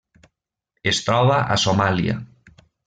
Es troba a Somàlia.